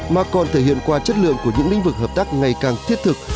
mà còn thể hiện qua chất lượng của những lĩnh vực hợp tác ngày càng thiết thực